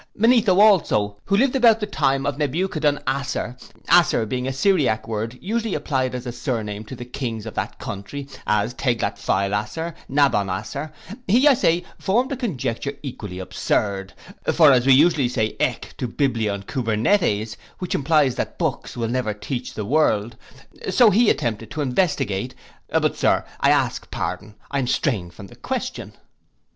Manetho also, who lived about the time of Nebuchadon Asser, Asser being a Syriac word usually applied as a sirname to the kings of that country, as Teglat Phael Asser, Nabon Asser, he, I say, formed a conjecture equally absurd; for as we usually say ek to biblion kubernetes, which implies that books will never teach the world; so he attempted to investigate—But, Sir, I ask pardon, I am straying from the question.